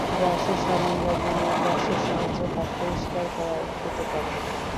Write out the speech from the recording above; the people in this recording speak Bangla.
ব্রাশে সাবান লাগিয়ে নিয়ে ব্রাশের সাহায্যে হাত পরিষ্কার করা যেতে পারে।